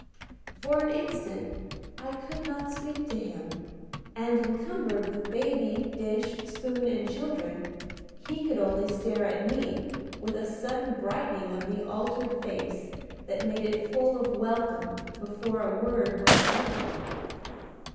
For an instant I could not speak to him, and, encumbered with baby, dish, spoon, and children, he could only stare at me with a sudden brightening of the altered face that made it full of welcome before a word was uttered.